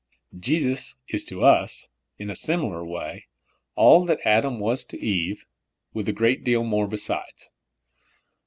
Jesus is to us, in a similar way, all that Adam was to Eve, with a great deal more besides.